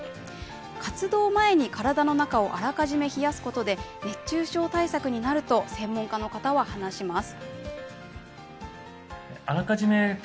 活動前に体の中をあらかじめ冷やすことで熱中症対策になると専門家の方は話します。